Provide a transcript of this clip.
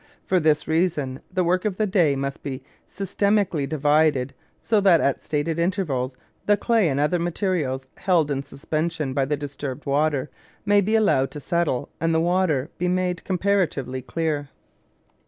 For this reason the work of the day must be systematically divided so that at stated intervals the clay and other materials held in suspension by the disturbed water may be allowed to settle and the water be made comparatively clear.